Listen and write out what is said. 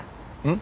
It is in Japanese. ん？